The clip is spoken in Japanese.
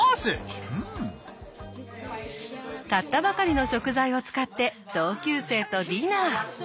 買ったばかりの食材を使って同級生とディナー。